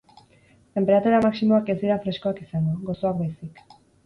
Tenperatura maximoak ez dira freskoak izango, gozoak baizik.